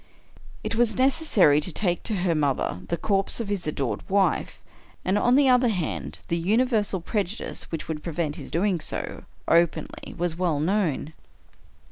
It was necessary to take to her mother the corpse of his adored wife, and, on the other hand, the universal prejudice which would prevent his do ing so openly was well known.